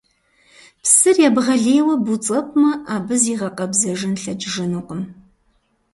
Псыр ебгъэлейуэ буцӀэпӀмэ, абы зигъэкъэбзэжын лъэкӀыжынукъым.